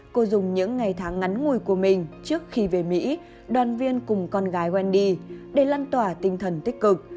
cô dùng những ngày tháng ngắn ngùi của mình trước khi về mỹ đoàn viên cùng con gái quen đi để lăn tỏa tinh thần tích cực